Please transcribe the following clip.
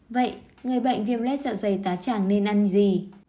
vậy người bệnh viêm lét dạ dày tá tràng nên ăn gì